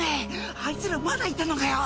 アイツらまだいたのかよ！